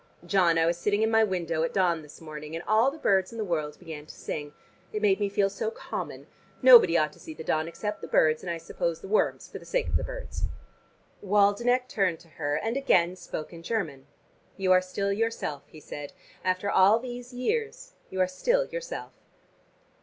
John, I was sitting in my window at dawn this morning, and all the birds in the world began to sing. It made me feel so common. Nobody ought to see the dawn except the birds, and I suppose the worms for the sake of the birds." Waldenech turned to her, and again spoke in German. "You are still yourself," he said. "After all these years you are still yourself."